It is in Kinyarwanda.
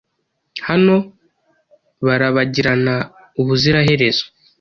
Hano barabagirana ubuziraherezo.